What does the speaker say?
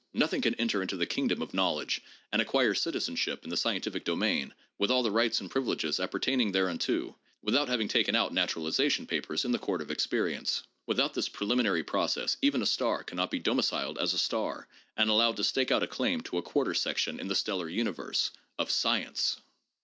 Nothing can enter into the kingdom of knowledge and acquire citizenship in the scientific domain, with all the rights and privileges appertaining thereunto, without having taken out naturalization papers in the court of experience. Without this preliminary process even a star cannot be domiciled as a star and allowed to stake out a claim to a quarter section in the stellar universe — of science!